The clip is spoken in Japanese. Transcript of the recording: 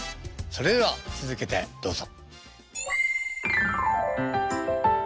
それでは続けてどうぞ。